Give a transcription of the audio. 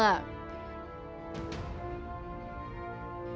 kostum yang digunakan adalah lima overs legion